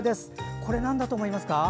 これ、なんだと思いますか？